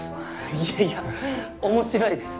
いやいや面白いです。